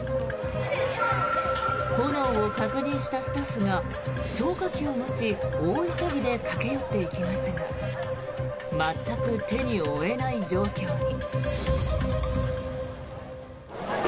炎を確認したスタッフが消火器を持ち大急ぎで駆け寄っていきますが全く手に負えない状況に。